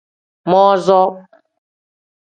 Mon-som.